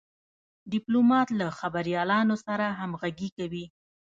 ډيپلومات له خبریالانو سره همږغي کوي.